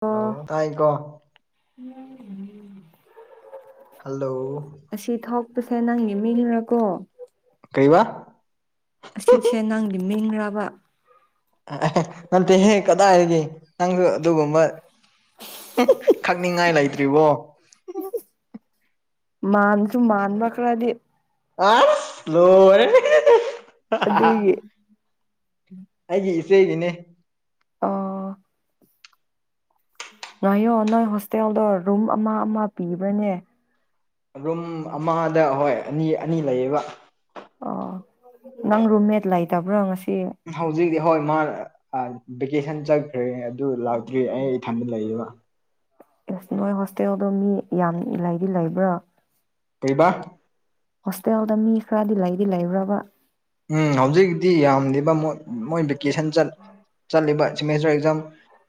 Hello ꯑꯣ ꯇꯥꯏ ꯀꯣ [unintelligible] ꯍꯜꯂꯣ ꯑꯁꯤ ꯊꯣꯛꯄꯁꯦ ꯅꯪ ꯂꯤꯃꯤꯔꯀꯣ ꯀꯩꯕꯥ ꯑꯁꯤꯁꯦ ꯅꯪꯒꯤ ꯃꯤꯡꯔꯕ ꯅꯠꯇꯦꯍꯦ ꯀꯗꯥꯏꯒꯤ ꯅꯪꯁꯨ ꯑꯗꯨꯒꯨꯝꯕ ꯈꯪꯅꯤꯡꯉꯥꯏ ꯂꯩꯇ꯭ꯔꯤꯕꯣ ꯃꯥꯟꯁꯨ ꯃꯥꯟꯕ ꯈꯔꯥꯗꯤ ꯑꯁ ꯂꯣꯏꯔꯦ [unintelligible] ꯑꯗꯨꯒꯤ ꯑꯩꯒꯤ ꯏꯆꯦꯒꯤꯅꯦ ꯑ‌ꯣ ꯉꯥꯏꯌꯣ ꯅꯣꯏ ꯍꯣꯁꯇꯦꯜꯗꯣ ꯔꯨꯝ ꯑꯃ ꯑꯃ ꯄꯤꯕ꯭ꯔꯅꯦ ꯔꯨꯝ ꯑꯃꯗ ꯍꯣꯏ ꯑꯅꯤ ꯑꯅꯤ ꯂꯩꯌꯦꯕ ꯑꯣ ꯅꯪ ꯔꯨꯝꯃꯦꯠ ꯂꯩꯇꯕ꯭ꯔꯣ ꯉꯁꯤ ꯍꯧꯖꯤꯛꯇꯤ ꯍꯣꯏ ꯃꯥ ꯚꯦꯀꯦꯁꯟ ꯆꯠꯈ꯭ꯔꯦ ꯑꯗꯨ ꯂꯥꯛꯇ꯭ꯔꯤ ꯑꯩ ꯏꯊꯟꯗ ꯂꯩꯌꯦꯕ ꯑꯦꯁ ꯅꯣꯏ ꯍꯣꯁꯇꯦꯜꯗꯣ ꯃꯤ ꯌꯥꯝ ꯂꯩꯥꯗꯤ ꯂꯩꯕ꯭ꯔ‌ꯣ ꯀꯩꯕꯥ ꯍꯣꯁꯇꯦꯜꯗ ꯃꯤ ꯈꯔꯗꯤ ꯂꯩꯗꯤ ꯂꯩꯕ꯭ꯔꯕ ꯎꯝ ꯍꯧꯖꯤꯛꯇꯤ ꯌꯥꯝꯗ‌ꯦꯕ ꯃ‌ꯣꯏ ꯃꯣꯏ ꯚꯦꯀꯦꯁꯟ ꯆꯠ ꯆꯠꯂꯤꯕ ꯁ‌ꯦꯃꯦꯁꯇꯔ ꯑꯦꯛꯖꯥꯝ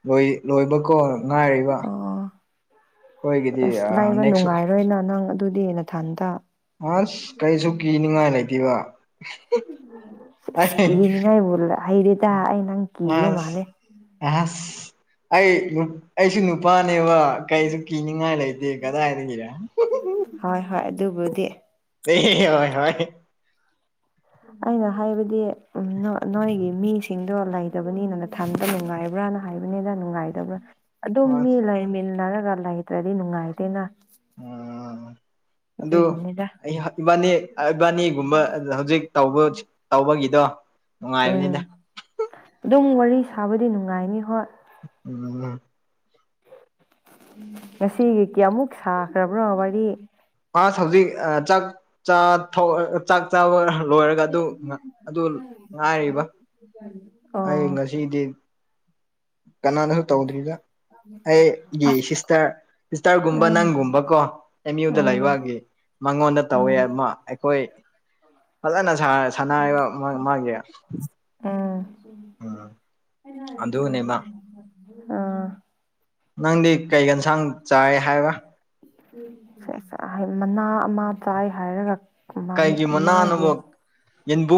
ꯂꯣꯏ ꯂꯣꯏꯕꯀꯣ ꯉꯥꯏꯔꯤꯕ ꯑꯣ ꯑꯩꯈꯣꯏꯒꯤꯗꯤ ꯑꯥ ꯅꯦꯛꯁ ꯂ‌ꯣꯏꯅ ꯅꯪ ꯑꯗꯨꯗꯤ ꯅꯊꯥꯟꯇ ꯑꯁ ꯀꯩꯁꯨ ꯀꯤꯅꯤꯡꯉꯥꯏ ꯂꯩꯇꯦꯕ ꯑꯁ ꯑꯩ ꯀꯤꯅꯤꯉꯥꯏꯕꯨ ꯂ ꯍꯩꯔꯦꯗ ꯑꯩ ꯅꯪ ꯀꯤꯕ ꯃꯥꯜꯂꯦ ꯑꯍꯁ ꯑꯩ ꯑꯩꯁꯨ ꯅꯨꯄꯥꯅꯦꯕ ꯀꯩꯁꯨ ꯀꯤꯅꯤꯉꯏ ꯂꯩꯗꯤ ꯀꯗꯥꯏꯗꯒꯤ ꯍꯣꯏ ꯍꯣꯏ ꯑꯗꯨꯕꯨꯗꯤ ꯑꯦ ꯍꯣꯏ ꯍꯣꯏ ꯑꯩꯅ ꯍꯥꯏꯕꯗꯤ ꯅꯣꯏꯒꯤ ꯃꯤꯁꯤꯡꯗꯣ ꯂꯩꯇꯕꯅꯤꯅ ꯁꯟꯇ ꯅꯨꯡꯉꯥꯏꯕ꯭ꯔꯥꯅ ꯍꯥꯏꯕꯅꯤꯗ ꯅꯨꯡꯉꯥꯏꯗꯕ꯭ꯔꯥ ꯑꯗꯨꯝ ꯃꯤ ꯑꯁ ꯂꯩꯃꯤꯟꯅꯔꯒ ꯂꯩꯇ꯭ꯔꯗꯤ ꯅꯨꯡꯉꯥꯏꯇꯦꯅ ꯎꯝ ꯑꯗꯨ ꯑꯗꯨꯒꯤꯅꯤꯗ ꯑꯩ ꯏꯕꯥꯅꯤ ꯏꯕꯅꯤꯒꯨꯝꯕ ꯍꯧꯖꯤꯛ ꯇ ꯇꯧꯕꯒꯤꯗꯣ ꯅꯨꯡꯉꯥꯏꯕꯅꯤꯗ ꯎꯝ ꯑꯗꯨꯝ ꯋꯥꯔꯤ ꯁꯥꯕꯗꯤ ꯅꯨꯡꯉꯥꯏꯅꯤ ꯍꯣꯏ ꯎꯝ ꯉꯁꯤꯒꯤ ꯀꯌꯥꯃꯨꯛ ꯁꯥꯈ꯭ꯔꯕ꯭ꯔꯣ ꯋꯥꯔꯤ ꯃꯥꯁ ꯍꯧꯖꯤꯛ ꯆ ꯆꯥꯛ ꯆꯥꯕ ꯂꯣꯏꯔꯒ ꯑꯗꯨ ꯑꯗꯨ ꯉꯥꯏꯔꯤꯕ [unintelligible] ꯑꯩ ꯉꯁꯤꯗꯤ ꯀꯅꯥꯅꯁꯨ ꯇꯧꯗ꯭ꯔꯤꯗ ꯑꯩꯒꯤ ꯁꯤꯁꯇꯔ ꯁꯤꯁꯇꯔꯒꯨꯝꯕ ꯎꯝ ꯅꯪꯒꯨꯝꯕ ꯀꯣ ꯑꯦꯝ ꯌꯨꯗ ꯎꯝ ꯂꯩꯕꯒꯤ ꯃꯉꯣꯟꯗ ꯇꯧꯋꯦ ꯎꯝ ꯑꯃ ꯑꯩꯈꯣꯏ ꯐꯖꯅ [unintelligible] ꯃꯥꯒꯤ ꯎꯝ ꯎꯝ ꯑꯗꯨꯅꯦꯕ ꯅꯪꯗꯤ ꯀꯩ ꯌꯦꯟꯁꯥꯡ ꯆꯥꯏ ꯍꯥꯏꯕ꯭ꯔ ꯃꯅꯥ ꯑꯃ ꯆꯥꯏ ꯍꯥꯏꯔꯒ ꯀꯩꯒꯤ ꯃꯥꯒꯤ ꯃꯅꯥꯅꯣꯕ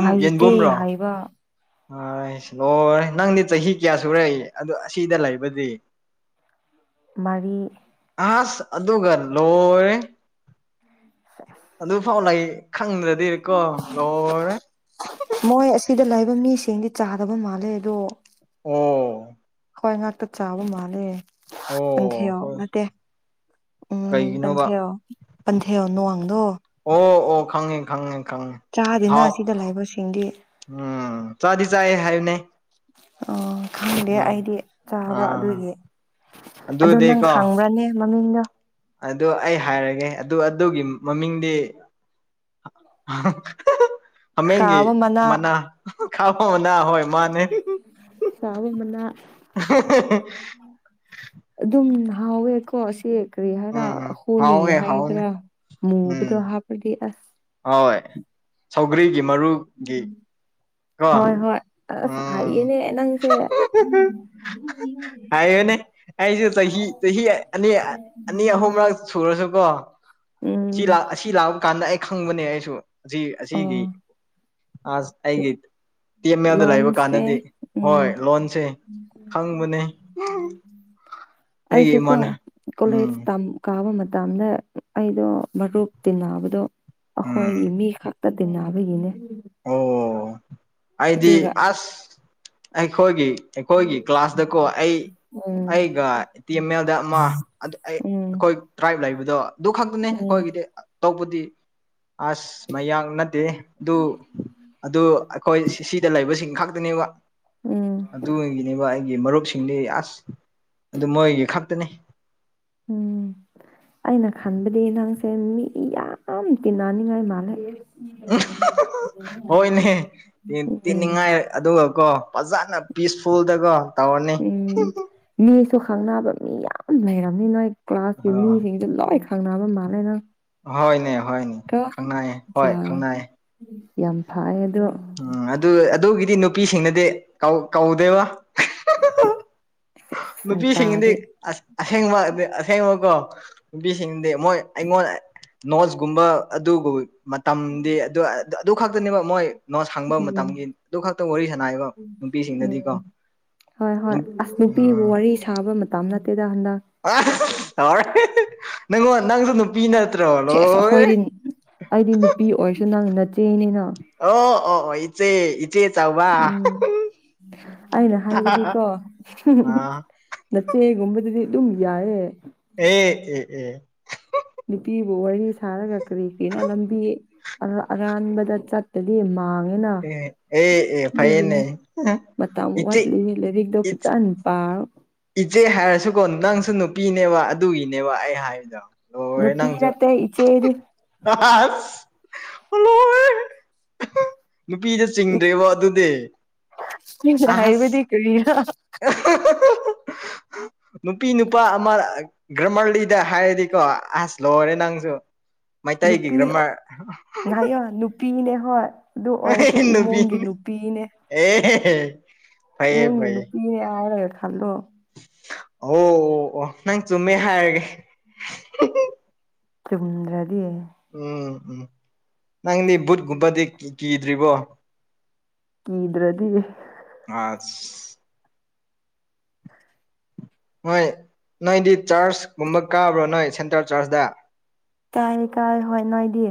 ꯍꯩꯇꯦ ꯍꯥꯏꯕ ꯑꯂꯣꯏ ꯅꯪꯗꯤ ꯆꯍꯤ ꯀꯌꯥ ꯁꯨꯔꯏ ꯑꯗꯨ ꯑꯁꯤꯗ ꯂꯩꯕꯗꯤ ꯃꯔꯤ ꯑꯁ ꯑꯗꯨꯒ ꯂꯣꯏꯔꯦ ꯑꯗꯨꯐꯥꯎ ꯂꯩ ꯈꯪꯗ꯭ꯔꯗꯤꯔꯀꯣ ꯂꯣꯏꯔꯦ ꯃꯣꯏ ꯑꯁꯤꯗ ꯂꯩꯕ ꯃꯤꯁꯤꯡꯗꯤ ꯆꯥꯗꯕ ꯃꯥꯜꯂꯦ ꯑꯗꯣ ꯑꯣ ꯍꯣꯏ ꯉꯥꯛꯇ ꯆꯥꯕ ꯃꯥꯜꯂꯦ ꯑꯣ ꯄꯟꯊꯦꯌ ꯍꯣꯏ ꯅꯠꯇꯦ ꯎꯝ ꯀꯩꯒꯤꯅꯣꯕ ꯄꯟꯊꯦꯔꯣ ꯄꯟꯊꯦꯌꯣ ꯅ ꯋꯥꯡꯗꯣ ꯑꯣ ꯑꯣ ꯈꯪꯉꯦ ꯈꯪꯉꯦ ꯈꯪꯉꯦ ꯆꯥꯗꯦꯅ ꯍꯥꯎ ꯁꯤꯗ ꯂꯩꯕꯁꯤꯡꯗꯤ ꯎꯝ ꯆꯗꯤ ꯆꯑ ꯍꯥꯏꯅꯦ ꯑꯣ ꯈꯪꯗꯦ ꯑꯩꯗꯤ ꯆꯥꯕ ꯑꯥ ꯑꯗꯨꯒꯤ ꯑꯗꯣ ꯅꯪ ꯈꯪꯕ꯭ꯔꯅꯦ ꯃꯃꯤꯡꯗꯣ ꯑꯗ ꯑꯩ ꯍꯥꯏꯔꯒꯦ ꯑꯗꯨ ꯑꯗꯨꯒꯤ ꯃꯃꯤꯡꯗꯤ [unintelligible] ꯍꯥꯃꯦꯡꯒꯤ ꯃꯅꯥ ꯈꯥꯕ ꯃꯅꯥ ꯍꯣꯏ ꯃꯥꯅꯦ ꯈꯥꯕ ꯃꯅꯥ [unintelligible] ꯑꯗꯨꯝ ꯍꯥꯎꯋꯦꯀꯣ ꯁꯤ ꯀꯔꯤ ꯍꯥꯏꯔꯥ ꯎꯝ ꯍꯣꯅꯤ ꯍꯥꯎꯋꯦ ꯍꯥꯎꯅꯦ ꯍꯥꯏꯗ꯭ꯔꯥ ꯎꯝ ꯃꯨꯕꯗꯣ ꯍꯥꯞꯄꯗꯤ ꯑꯁ ꯍꯣꯏ ꯁꯧꯒ꯭ꯔꯤꯒꯤ ꯃꯔꯨꯒꯤ [unintelligible] ꯍꯣꯏ ꯍꯣꯏ ꯑꯁ ꯍꯩꯌꯦꯅꯦ ꯅꯪꯁꯦ ꯍꯥꯏꯌꯨꯅꯦ ꯑꯩꯖꯨ ꯆꯍꯤ ꯆꯍꯤ ꯑꯅꯤ ꯑꯅꯤ ꯑꯍꯨꯝꯔꯛ ꯁꯨꯔꯁꯨꯀꯣ ꯁꯤ ꯎꯝ ꯂꯥꯛ ꯑꯁꯤ ꯂꯥꯛꯄ ꯀꯥꯟꯗ ꯑꯩ ꯈꯪꯕꯅꯦ ꯑꯩꯁꯨ ꯑꯁꯤ ꯑꯣ ꯑꯁꯤꯒꯤ ꯑꯥꯁ ꯑꯩꯒꯤꯠ ꯇꯤ ꯑꯦꯝ ꯑꯦꯜꯗ ꯂꯩꯕ ꯂꯣꯟꯁꯦ ꯀꯥꯟꯗꯗꯤ ꯍꯣꯏ ꯎꯝ ꯂꯣꯟꯁꯦ ꯈꯪꯕꯅꯤ ꯑꯩꯁꯨ ꯀꯣ ꯏꯃꯥꯅ ꯀꯣꯂꯦꯖ ꯎꯝ ꯇꯝ ꯀꯥꯕ ꯃꯇꯝꯗ ꯑꯩꯗꯣ ꯃꯔꯨꯞ ꯇꯤꯟꯅꯕꯗꯣ ꯎꯝ ꯑꯩꯈꯣꯏꯒꯤ ꯃꯤ ꯈꯛꯇ ꯇꯤꯟꯅꯕꯒꯤꯅꯦ ꯑꯣ ꯑꯩꯗꯤ ꯑꯗꯨꯒ ꯑꯁ ꯑꯩꯈꯣꯏꯒꯤ ꯑꯩꯈꯣꯏꯒꯤ ꯀ꯭ꯂꯥꯁꯇꯀꯣ ꯑꯩ ꯎꯝ ꯑꯩꯒ ꯇꯤ ꯑꯦꯝ ꯑꯦꯜꯗ ꯑꯃ ꯎꯝ ꯑꯩꯈꯣꯏ ꯇ꯭ꯔꯥꯏꯞ ꯂꯩꯕꯗꯣ ꯑꯗꯨ ꯈꯛꯇꯅꯦ ꯎꯝ ꯑꯩꯈꯣꯏꯒꯤꯗꯤ ꯇꯧꯕꯨꯗꯤ ꯑꯁ ꯃꯌꯥꯡ ꯅꯠꯇꯦ ꯑꯗꯨ ꯑꯗꯨ ꯑꯩꯈꯣꯏ ꯁꯤꯗ ꯂꯩꯕꯁꯤꯡ ꯈꯛꯇꯅꯦꯕ ꯎꯝ ꯑꯗꯨ ꯑꯣꯏꯒꯤꯅꯦꯕ ꯑꯩꯒꯤ ꯃꯔꯨꯞꯁꯤꯡꯗꯤ ꯑꯁ ꯑꯗꯨ ꯃꯣꯏꯒꯤ ꯈꯛꯇꯅꯤ ꯎꯝ ꯑꯩꯅ ꯈꯟꯕꯗꯤ ꯅꯪꯁꯦ ꯃꯤ ꯌꯥꯝ ꯇꯤꯟꯅꯅꯤꯡꯉꯥꯏ ꯃꯥꯜꯂꯦ ꯍꯣꯏꯅꯦ ꯎꯝ ꯇꯤꯅꯤꯡꯉꯥꯏ ꯑꯗꯨꯒꯀꯣ ꯐꯖꯅ ꯄꯤꯁꯐꯨꯜꯗꯀꯣ ꯇꯧꯔꯅꯤ ꯎꯝ ꯃꯤꯁꯨ ꯈꯪꯅꯕ ꯃꯤ ꯌꯥꯝ ꯂꯩꯔꯝꯅꯤ ꯅꯣꯏ ꯀ꯭ꯂꯥꯁꯀꯤ ꯃꯤꯁꯤꯡꯁꯨ ꯂꯣꯏ ꯈꯪꯅꯕ ꯃꯥꯜꯂꯦ ꯅꯪ ꯍꫭꯢꯅꯦ ꯍꫭꯢꯅꯦ ꯀꯣ ꯖꯥ ꯌꯥꯝ ꯐꯥꯢꯌꯦ ꯑꯗꯨ ꯎꯝ ꯑꯗꯨ ꯑꯗꯨꯒꯤꯗꯤ ꯅꯨꯄꯤꯁꯤꯡꯗꯗꯤ ꯀꯧ ꯀꯧꯗꯦꯕ ꯅꯨꯄꯤꯁꯤꯡꯗꯤ ꯁꯥꯏꯄꯥꯗꯤ ꯑꯁ ꯑꯁꯦꯡꯕ ꯑꯁꯦꯡꯕꯀꯣ ꯅꯨꯄꯤꯁꯤꯡꯗꯤ ꯃꯣꯏ ꯑꯩꯉꯣꯟ ꯅꯣꯠꯁꯀꯨꯝꯕ ꯑꯗꯨꯒꯨ ꯃꯇꯝꯗꯤ ꯑꯗꯨ ꯑꯗꯨ ꯈꯛꯇꯅꯦꯕ ꯃꯣꯏ ꯅꯣꯠꯁ ꯍꯪꯕ ꯎꯝ ꯃꯇꯝꯒꯤ ꯑꯗꯨ ꯈꯛꯇ ꯋꯥꯔꯤ ꯁꯥꯟꯅꯌꯦꯕ ꯅꯨꯄꯤꯁꯤꯡꯗꯗꯤꯀꯣ ꯎꯝ ꯍꯣꯏ ꯍꯣꯏ ꯑꯁ ꯅꯨꯄꯤꯕꯨ ꯋꯥꯔꯤ ꯁꯥꯕ ꯃꯇꯝ ꯅꯠꯇꯦꯗ ꯍꯟꯗꯛ ꯑ ꯇꯧꯔꯦ ꯅꯉꯣꯟ ꯅꯪꯁꯨ ꯅꯨ ꯄꯤ ꯅꯠꯇ꯭ꯔꯣ ꯂꯣꯢꯔꯦ ꯄꯤ ꯑꯣꯏꯔꯁꯨ ꯅꯪ ꯅꯆꯦꯅꯤꯅ ꯑꯣ ꯑꯣ ꯑꯣ ꯏꯆꯦ ꯢ ꯆꯦ ꯆꯥꯎꯕ ꯎꯝ ꯑꯩꯅ ꯍꯥꯏꯕꯗꯤꯀꯣ ꯑ ꯅꯆꯦꯒꯨꯝꯕꯗꯨꯗꯤ ꯑꯗꯨꯝ ꯌꯥꯏꯌꯦ ꯑꯦ ꯑꯦ ꯑꯦ ꯅꯨꯄꯤꯕꯨ ꯋꯥꯔꯤ ꯁꯥꯔꯒ ꯀꯔꯤꯀꯤꯔꯥ ꯂꯝꯕꯤ ꯑꯔꯥꯟꯕꯗ ꯆꯠ ꯇꯗꯤ ꯃꯥꯡꯉꯦꯅ ꯑꯦ ꯑꯦ ꯑꯦ ꯑꯗꯨꯒꯤꯅꯦ ꯐꯩꯌꯦꯅꯦ ꯃꯇ ꯏꯆꯦ ꯋꯥꯠꯂꯤꯌꯦ ꯂꯥꯏꯔꯤꯛꯇꯣ ꯐꯖꯅ ꯄꯥꯔꯦ ꯏꯆꯦ ꯍꯥꯏꯔꯁꯨꯀꯣ ꯅꯪꯁꯨ ꯅꯨꯄꯤꯅꯦꯕ ꯑꯗꯨꯒꯤꯅꯦꯕ ꯑꯩ ꯍꯥꯏꯔꯤꯗꯣ ꯅꯨꯄꯤ ꯅꯠꯇꯦ ꯏꯆꯦꯗꯤ ꯑꯁ ꯂꯣꯢꯔꯦꯍꯦ ꯅꯨꯄꯤꯗ ꯆꯤꯡꯗ꯭ꯔꯦꯕ ꯑꯗꯨꯗꯤ [unintelligible] ꯑꯁ ꯍꯥꯢꯕꯗꯤ ꯀꯔꯤꯔꯥ ꯅꯨꯄꯤ ꯅꯨꯄꯥ ꯑꯃ ꯒ꯭ꯔꯃꯔꯂꯤꯗ ꯍꯥꯏꯔꯗꯤꯀꯣ ꯑꯁ ꯂꯣꯏꯔꯦ ꯅꯪꯁꯨ ꯃꯩꯇꯩꯒꯤ ꯒ꯭ꯔꯃꯥꯔ ꯉꯍꯥꯏꯌꯣ ꯅꯨꯄꯤꯅꯦ ꯍꯣꯏ ꯑꯗꯨ ꯑꯣꯏꯔꯁꯨ ꯏꯃꯨꯡꯒꯤ ꯅꯨꯄꯤꯅꯦ ꯑꯦ ꯑꯦ ꯐꯩꯌꯦ ꯏꯃꯨꯡꯒꯤ ꯐꯩꯌꯦ ꯅꯨꯄꯤꯅꯦ ꯍꯥꯏꯔꯒ ꯈꯜꯂꯣ ꯑꯣ ꯑꯣ ꯑꯣ ꯅꯪ ꯆꯨꯝꯃꯦ ꯍꯥꯏꯔꯒꯦ ꯆꯨꯝꯗ꯭ꯔꯗꯤ ꯎꯝ ꯎꯝ ꯅꯪꯗꯤ ꯕꯨꯠꯒꯨꯝꯕꯗꯤ ꯀꯤꯗ꯭ꯔꯤꯕꯣ ꯀꯤꯗ꯭ꯔꯗꯤ ꯑꯁ ꯅꯣꯏ ꯅꯣꯏꯗꯤ ꯆꯔꯆꯀꯨꯝꯕ ꯀꯥꯕ꯭ꯔꯣ ꯅꯣꯏ ꯁꯦꯟꯇ꯭ꯔꯦꯜ ꯆꯔꯆꯇ ꯇꯥꯏ ꯀꯥꯏ ꯍꯣꯏ ꯅꯣꯏꯗꯤ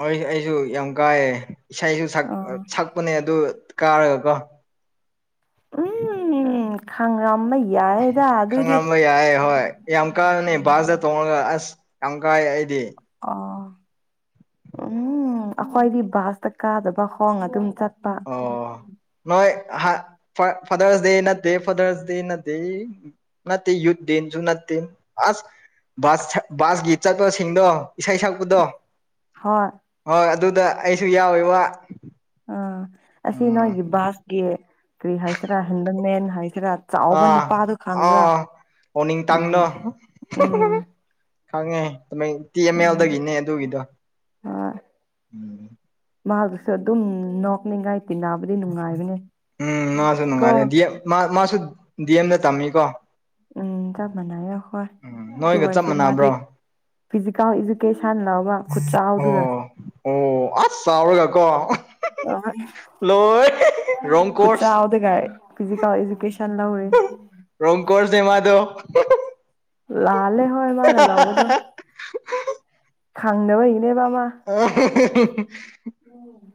ꯍꯣꯢ ꯑꯩꯁꯨ ꯌꯥꯝ ꯀꯥꯢꯌꯦ ꯏꯁꯩꯁꯨ ꯑꯣ ꯁꯛꯄꯅꯦ ꯑꯗꯨ ꯀꯥꯔꯒꯀꯣ ꯎꯝ ꯈꯥꯡꯔꯝꯕ ꯌꯥꯏꯗ ꯑꯗꯨꯏꯗꯤ ꯍꯣꯏ ꯌꯥꯢꯌꯦ ꯍꯣꯏ ꯌꯥꯝ ꯀꯥꯕꯅꯦ ꯕꯥꯖꯗ ꯇꯣꯡꯔꯒ ꯑꯁ ꯌꯥꯝ ꯀꯥꯏꯌꯦ ꯑꯩꯗꯤ ꯑꯣ ꯎꯝ ꯑꯩꯈꯣꯏꯗꯤ ꯕꯥꯁꯇ ꯀꯥꯗꯕ ꯈꯣꯡ ꯑꯗꯨꯝ ꯆꯠ ꯑꯣ ꯅꯣꯏ ꯐꯥꯗꯔꯁ ꯗꯦ ꯅꯠꯇꯦ ꯐꯥꯗꯔꯁ ꯗꯦ ꯅꯠꯇꯦ ꯅꯠꯇꯦ ꯌꯨꯗ ꯗꯦꯟꯁꯨ ꯅꯠꯇꯦ ꯑꯁ ꯕꯥꯁ ꯕꯥꯁꯀꯤ ꯆꯠꯄꯁꯤꯡꯗꯣ ꯏꯁꯩ ꯁꯛꯄꯗꯣ ꯍꯣꯏ ꯍꯣꯏ ꯑꯗꯨꯗ ꯑꯩꯁꯨ ꯌꯥꯎꯋꯤꯕ ꯑꯥ ꯑꯁꯤ ꯅꯣꯏꯒꯤ ꯕꯥꯁꯀꯤ ꯀꯔꯤ ꯍꯥꯏꯁꯤꯔꯥ ꯍꯦꯟꯗꯜꯃꯦꯟ ꯍꯥꯏꯁꯤꯔꯥ ꯑ ꯆꯥꯎꯕ ꯅꯨꯄꯥꯗꯣ ꯈꯪꯕ꯭ꯔꯥ ꯑꯥ ꯑꯣꯅꯤ ꯎꯝ ꯇꯥꯡꯅꯣ ꯎꯝ ꯈꯪꯉꯦ ꯇꯤ ꯑꯦꯝ ꯑꯦꯜꯗꯒꯤꯅꯦ ꯑꯗꯨꯒꯤꯗꯣ ꯍꯣꯢ ꯎꯝ ꯃꯥꯕꯨꯁꯨ ꯑꯗꯨꯝ ꯅꯣꯛꯅꯤꯡꯉꯥꯏ ꯇꯤꯟꯅꯕꯗꯤ ꯅꯨꯡꯉꯥꯏꯕꯅꯦ ꯎꯝ ꯃꯥꯁꯨ ꯀꯣ ꯅꯨꯡꯉꯥꯏꯔꯦ ꯃꯥꯁꯨ ꯗꯤ ꯑꯦꯝꯗ ꯇꯝꯃꯤ ꯎꯝ ꯆꯞ ꯃꯥꯟꯅꯩꯌꯦ ꯍꯣꯏ ꯎꯝ ꯑꯗꯨ ꯅꯣꯏꯒ ꯆꯞ ꯑꯣꯏꯔꯁꯨ ꯃꯥꯗꯤ ꯃꯥꯟꯅꯕ꯭ꯔꯣ ꯐꯤꯖꯤꯀꯦꯜ ꯏꯗꯨꯨꯀꯦꯁꯟ ꯂꯧꯕ ꯈꯨꯠ ꯆꯥꯎꯗꯨꯒ ꯑꯣ ꯑꯣ ꯑꯁ ꯆꯥꯎꯔꯒ ꯀꯣ ꯑ [inaudible] ꯂꯣꯏ ꯍꯦ ꯍꯦ ꯈꯨꯠꯆꯥꯥꯎꯗꯨꯒ ꯐꯤꯖꯀꯦꯜ ꯑꯦꯖꯨꯀꯦꯁꯟ ꯂꯧꯢ ꯔꯣꯀꯣꯔꯅꯦ ꯃꯗꯣ ꯂꯥꯜꯂꯦ ꯍꯣꯏ ꯃꯥꯅ ꯂꯧꯕꯗꯣ ꯈꯪꯗꯕꯩꯒꯤꯅꯦ ꯃꯥ ꯑꯥ ꯍꯦ ꯍꯦ ꯍꯦ ꯎꯝ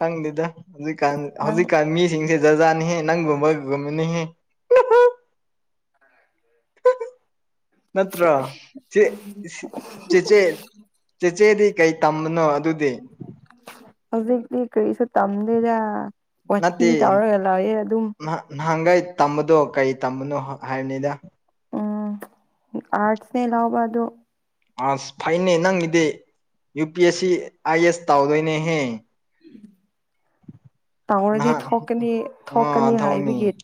ꯈꯪꯗꯦꯗ ꯍꯧꯖꯤꯛꯀꯥꯟ ꯅꯪ ꯍꯧꯖꯤꯛꯀꯥꯟ ꯃꯤꯁꯤꯡꯁꯦ ꯖꯥꯠ ꯖꯥꯠꯅꯤꯍꯦ ꯅꯪꯒꯨꯝꯕ ꯒꯨꯝꯕꯅꯤꯍꯦ ꯅꯠꯇ꯭ꯔꯣ ꯆꯦꯆꯦ ꯆꯦꯆꯦꯗꯤ ꯀꯩ ꯇꯝꯕꯅꯣ ꯑꯗꯨꯗꯤ ꯍꯧꯖꯤꯛꯇꯤ ꯀꯔꯤꯁꯨ ꯇꯝꯗꯦꯗ ꯋꯥꯊꯤ ꯅꯠꯇꯦ ꯇꯥꯎꯔꯒ ꯂꯩꯑꯦ ꯑꯗꯨꯝ ꯅꯍ- ꯅꯍꯥꯟꯒꯩ ꯇꯝꯕꯗꯣ ꯀꯔꯤ ꯇꯝꯕꯅꯣ ꯍꯥꯏꯕꯅꯤꯗ ꯎꯝ ꯑꯥꯁ ꯁꯦ ꯂꯥꯎꯕ ꯑꯗꯨ ꯑꯥꯁ ꯐꯩꯅꯦ ꯅꯪꯒꯤꯗꯤ U P S C I ꯑꯦꯁ ꯇꯧꯗꯣꯏꯅꯦꯍꯦ ꯎꯝ ꯇꯧꯔꯗꯤ ꯅꯍꯥꯟ ꯊꯣꯛꯀꯅꯤ ꯑꯥ ꯊꯣꯛꯀꯅꯤ ꯍꯥꯏꯕꯒꯤ ꯊꯧꯅꯤ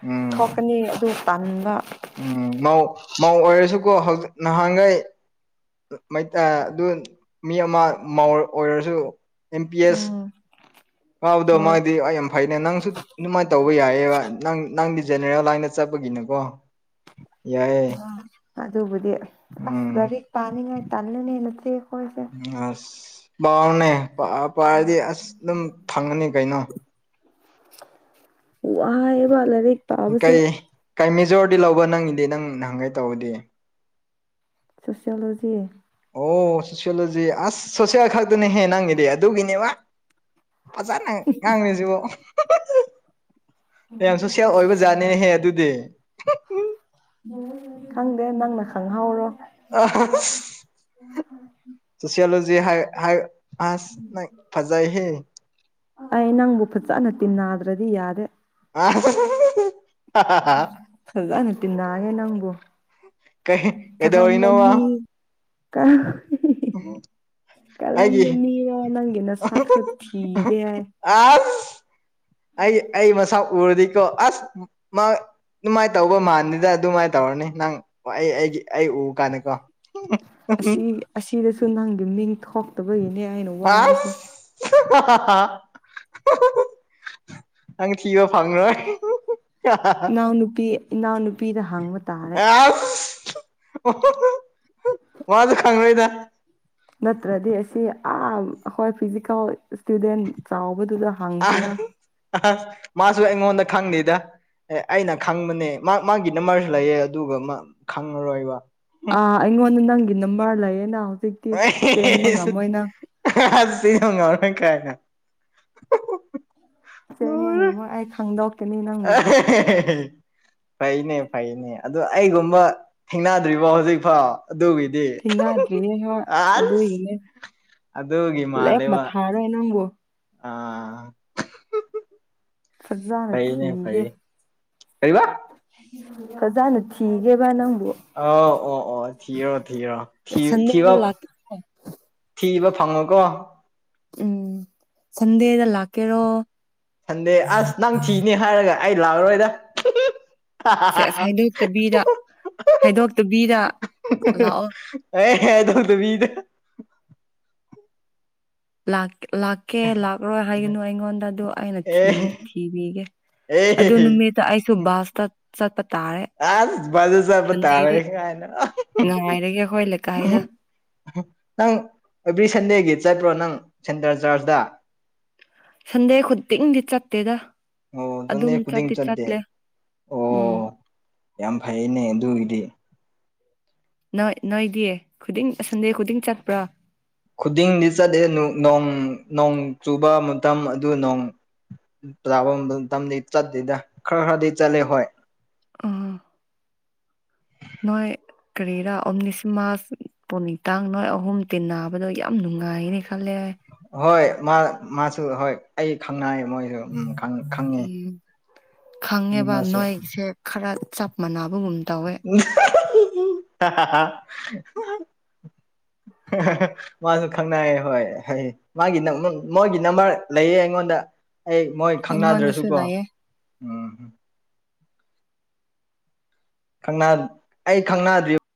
ꯎꯝ ꯊꯣꯛꯀꯅꯤ ꯑꯗꯨ ꯇꯥꯟꯕ ꯎꯝ ꯃꯧ ꯃꯧ ꯑꯣꯏꯔꯁꯨꯀꯣ ꯍꯧꯖꯤꯛ ꯅꯍꯥꯟꯈꯩ ꯑꯗꯨ ꯃꯤ ꯑꯃ ꯑꯣꯏꯔꯁꯨ ꯑꯦꯝ ꯄꯤ ꯑꯦꯁ ꯎꯝ ꯐꯥꯎꯕꯗꯣ ꯍꯣꯏ ꯃꯥꯗꯤ ꯌꯥꯝ ꯐꯩꯅꯦ ꯅꯪꯁꯨ ꯑꯗꯨꯃꯥꯏꯅ ꯇꯧꯕ ꯌꯥꯏꯌꯦꯕ ꯅꯪ ꯅꯪꯗꯤ ꯖꯦꯅꯦꯔꯦꯜ ꯂꯥꯏꯟꯗ ꯆꯠꯄꯒꯤꯅꯦꯀꯣ [inaudible] ꯑꯗꯨꯕꯨꯗꯤ ꯑꯁ ꯎꯝ ꯂꯥꯏꯔꯤꯛ ꯄꯥꯅꯤꯡꯉꯥꯏ ꯇꯜꯂꯦꯅꯦ ꯅꯆꯦꯈꯣꯏꯁꯦ ꯑꯁ ꯄꯥꯎꯅꯦ ꯄꯥꯕꯨ ꯄꯥꯔꯗꯤ ꯑꯁ ꯑꯗꯨꯝ ꯐꯪꯒꯅꯤ ꯀꯩꯅꯣ ꯋꯥꯏꯕ ꯂꯩꯔꯤꯛ ꯀꯩ ꯀꯩ ꯃꯦꯖꯣꯔꯗꯤ ꯂꯧꯕ ꯅꯪꯒꯤꯗꯤ ꯅꯪ ꯅꯍꯥꯒꯩ ꯇꯧꯕꯗꯤ ꯁꯣꯁꯤꯌꯣꯂꯣꯖꯤ ꯑꯣ ꯁꯣꯁꯤꯌꯣꯂꯣꯖꯤ ꯑꯁ ꯁꯣꯁꯦꯜ ꯈꯛꯇꯅꯦꯍꯦ ꯅꯪꯒꯤꯗꯤ ꯑꯗꯨꯒꯤꯅꯦꯕ ꯐꯖꯥꯅ ꯉꯥꯡꯅꯔꯤꯁꯤꯕꯨ ꯌꯥꯝ ꯁꯣꯁꯦꯟ ꯑꯣꯏꯕ ꯖꯥꯠꯅꯤꯍꯦ ꯑꯗꯨꯗꯤ ꯎ ꯈꯪꯗꯦ ꯅꯪꯅ ꯈꯪꯍꯧꯔꯣ ꯑꯁ ꯁꯣꯁꯤꯌꯣꯂꯣꯖꯤ ꯍꯥꯏ ꯍꯥꯏ ꯑꯥꯁ ꯅꯪ ꯐꯥꯖꯩ ꯍꯦ ꯑꯩ ꯅꯪꯕꯨ ꯐꯖꯅ ꯇꯤꯟꯅꯗ꯭ꯔꯗꯤ ꯌꯥꯗꯦ ꯑ [inaudible] ꯐꯖꯅ ꯇꯤꯟꯅꯩꯌꯦ ꯅꯪꯕꯨ ꯀꯩ ꯀꯔꯝꯕ ꯃꯤ ꯀꯩꯗꯧꯔꯤꯅꯣꯕ ꯀꯥ ꯀꯔꯝꯕ ꯑꯩꯒꯤ ꯃꯤꯅꯣ ꯅꯪꯒꯤ ꯅꯁꯥꯛꯁꯨ ꯊꯤꯒꯦ ꯍꯥꯏ ꯑꯥꯁ ꯑꯩ ꯑꯩ ꯃꯁꯥ ꯎꯔꯗꯤꯀꯣ ꯑꯁ ꯃꯥ ꯑꯗꯨꯃꯥꯏꯅ ꯇꯧꯕ ꯃꯥꯟꯗꯦꯗ ꯑꯗꯨꯃꯥꯏꯅ ꯇꯧꯔꯅꯤ ꯅꯪ ꯑꯩ ꯑꯩꯒꯤ ꯑꯩ ꯎꯕ ꯀꯥꯟꯗꯀꯣ ꯑꯁꯤ ꯑꯁꯤꯗꯁꯨ ꯅꯪꯒꯤ ꯃꯤꯡ ꯊꯣꯛꯇꯕꯒꯤꯅꯦ ꯑꯩꯅ ꯋꯥꯕꯁꯦ ꯑꯥꯁ ꯅꯪ ꯊꯤꯕ ꯐꯪꯉꯣꯏ ꯏꯅꯥꯎ ꯅꯨꯨꯄꯤ ꯏꯅꯥꯎ ꯅꯨꯄꯤꯗ ꯍꯪꯕ ꯇꯥꯔꯦ ꯃꯥꯗꯣ ꯈꯪꯉꯣꯏꯗ ꯅꯠꯇ꯭ꯔꯗꯤ ꯑꯁꯤ ꯑꯥ ꯑꯩꯈꯣꯏ ꯐꯤꯖꯤꯀꯦꯜ ꯁꯇꯨꯗꯦꯟ ꯆꯥꯎꯕꯗꯨꯗ ꯍꯪꯁꯤꯔꯥ ꯑꯥ ꯃꯥꯁꯨ ꯑꯩꯉꯣꯟꯗ ꯈꯪꯅꯤꯗ ꯑꯦ ꯑꯩꯅ ꯈꯪꯕꯅꯦ ꯃꯥ ꯃꯥꯒꯤ ꯅꯃꯕꯔꯁꯨ ꯂꯩꯌꯦ ꯑꯗꯨꯒ ꯈꯪꯉꯔꯣꯏꯕ ꯑꯥ ꯑꯩꯉꯣꯟꯗ ꯅꯪꯒꯤ ꯅꯝꯕꯔ ꯂꯩꯌꯦꯅ ꯍꯧꯖꯤꯛ ꯑ [unintelligible] ꯑꯁꯤ ꯍꯧꯡꯒ ꯑꯣꯅ ꯀꯌꯥꯒ ꯆꯦꯟꯕ ꯉꯝꯃꯣ ꯑꯩ ꯈꯪꯗꯧ [unintelligible] ꯐꯩꯅꯦ ꯐꯩꯅꯦ ꯑꯗꯣ ꯑꯩꯒꯨꯝꯕ ꯊꯦꯡꯅꯗ꯭ꯔꯤꯕꯣ ꯍꯧꯖꯤꯛꯐꯥꯎ꯫ ꯑꯗꯨꯒꯤꯗꯤ ꯊꯦꯡꯅꯗ꯭ꯔꯤꯌꯦ ꯍꯣꯏ ꯑꯥꯁ ꯑꯗꯨꯒꯤꯅꯦ ꯑꯗꯒꯤ ꯂꯦꯞꯃ ꯃꯥꯂꯦꯕ ꯊꯥꯔꯣꯏ ꯅꯪꯕꯨ ꯑꯥ ꯐꯖꯥꯅ ꯐꯩꯅꯦ ꯊꯤꯒꯦ꯫ ꯐꯩꯌꯦ ꯀꯩꯕ ꯐꯖꯟꯅ ꯊꯤꯒꯦꯕ ꯅꯪꯕꯨ ꯑꯣ ꯑꯣ ꯑꯣ ꯊꯤꯌꯣ ꯊꯤꯌꯣ ꯊꯤꯕ ꯁꯟꯗꯦꯗ ꯂꯥꯛ ꯊꯤꯕ ꯐꯪꯉꯨ ꯀꯣ꯫ ꯎꯝ ꯁꯟꯗꯦꯗ ꯂꯥꯛꯀꯦꯔꯣ ꯑꯁ ꯅꯪ ꯊꯤꯅꯦ ꯍꯥꯏꯔꯒ ꯑꯩ ꯂꯥꯛꯑꯔꯣꯏꯗ ꯁꯦ ꯑꯁꯥꯏꯗꯩ [unintelligible] ꯍꯥꯏꯗꯣꯛꯇꯕꯤꯗ ꯂꯥꯛꯑꯣ꯫ ꯑꯦ ꯍꯥꯏꯗꯣꯛꯇꯕꯤꯗ꯫ ꯂꯥꯛ ꯂꯥꯛ ꯀꯦ ꯂꯥꯛꯔꯣꯏ ꯍꯥꯏꯒꯅꯨ ꯑꯩꯉꯣꯟꯗ ꯑꯗꯨ ꯑꯩꯅꯗ ꯑꯦ ꯊꯤꯊꯤꯕꯤꯒꯦ ꯑꯗꯨ ꯑꯦ ꯅꯨꯃꯤꯠ꯫ ꯑꯩꯁꯨ ꯕꯁꯇ ꯆꯠꯄ ꯇꯥꯔꯦ ꯑꯥꯁ ꯕꯁꯇ ꯆꯠꯄ ꯇꯥꯔꯦ ꯁꯟꯗꯦꯗꯤ ꯀꯥꯏꯅ ꯉꯥꯏꯔꯒꯦ ꯑꯩꯈꯣꯏ ꯂꯩꯀꯥꯏꯗ ꯅꯪ ꯑꯦꯕ꯭ꯔꯤ ꯁꯟꯗꯦꯒꯤ ꯆꯠꯄ꯭ꯔꯣ ꯅꯪ ꯁꯦꯟꯇꯔ ꯆꯔꯆꯇ ꯁꯟꯗꯦ ꯈꯨꯗꯤꯡꯗꯤ ꯆꯠꯇꯦꯗ ꯑꯣ ꯁꯟꯗꯦ ꯑꯗꯨꯝ ꯈꯨꯗꯤꯡ ꯆꯠꯇꯤ ꯆꯠꯇꯦ ꯆꯠꯂꯦ ꯑꯣ ꯎꯝ ꯌꯥꯝ ꯐꯩꯅꯦ ꯑꯗꯨꯒꯤꯗꯤ ꯅꯣꯏ ꯅꯣꯏꯗꯤ ꯈꯨꯗꯤꯡ ꯁꯟꯗꯦ ꯈꯨꯗꯤꯡ ꯆꯠꯄ꯭ꯔꯣ ꯈꯨꯗꯤꯡꯗꯤ ꯆꯠꯂꯦ ꯅꯣꯡ ꯅꯣꯡ ꯆꯨꯕ ꯃꯇꯝ ꯑꯗꯨ ꯅꯣꯡ [unintelligible] ꯇꯝꯗꯤ ꯆꯠꯇꯦꯗ ꯈꯔ ꯈꯔꯗꯤ ꯆꯠꯂꯦ ꯍꯣꯏ ꯑꯥ ꯅꯣꯏ ꯀꯔꯤꯔꯥ ꯑꯣꯅꯤꯁ ꯃꯥꯔꯁ ꯄꯨꯡꯅꯤꯡ ꯇꯥꯡ ꯅꯣꯏ ꯑꯍꯨꯝ ꯇꯤꯟꯅꯕꯗꯣ ꯌꯥꯝ ꯅꯨꯡꯉꯥꯏꯅꯤ ꯈꯜꯂꯦꯍꯦ ꯍꯣꯏ ꯃꯥ ꯃꯥꯁꯨ ꯍꯣꯏ ꯑꯩ ꯈꯪꯅꯩ ꯃꯣꯏ ꯎꯝ ꯈꯪꯉꯦꯕ ꯑꯅꯤꯃꯁꯨ ꯅꯣꯏꯁꯦ꯫ ꯈꯔ ꯆꯞ ꯃꯥꯟꯅꯕꯒꯨꯝ ꯇꯧꯋꯦ꯫ [inaudible] ꯃꯥꯁꯨ ꯈꯪꯅꯌꯦ ꯍꯣꯏ ꯍ ꯃꯥꯒꯤ ꯃꯣꯏꯒꯤ ꯅꯝꯕꯔ ꯂꯩꯌꯦ ꯑꯩꯉꯣꯟꯗ ꯑꯩ ꯃꯣꯏ ꯑꯩꯉꯣꯟꯗꯁꯨ ꯈꯪꯅꯗ꯭ꯔꯁꯨꯀꯣ ꯂꯩꯌꯦ ꯎꯝ ꯫ꯪ ꯑꯩ ꯈꯪꯅꯗ꯭ꯔꯤꯕ